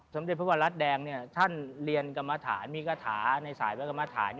สำเร็จเพราะว่ารัฐแดงท่านเรียนกรรมฐานมีกระถาในสายกรรมฐาน